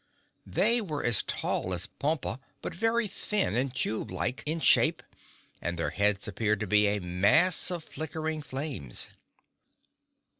They were as tall as Pompa but very thin and tube like in shape and their heads appeared to be a mass of flickering flames.